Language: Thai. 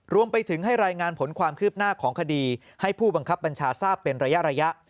รวมไปถึงให้รายงานผลความคืบหน้าของคดีให้ผู้บังคับบัญชาทราบเป็นระยะ